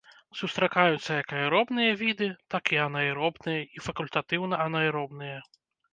Сустракаюцца як аэробныя віды, так і анаэробныя і факультатыўна-анаэробныя.